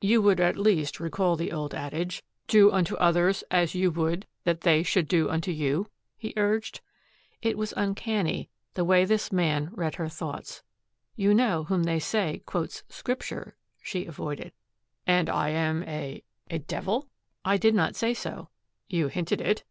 "You would at least recall the old adage, 'Do unto others as you would that they should do unto you'?" he urged. It was uncanny, the way this man read her thoughts. "You know whom they say quotes scripture," she avoided. "And am I a a devil?" "I did not say so." "You hinted it."